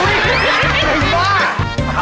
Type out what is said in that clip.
ผมเจอกับการเลย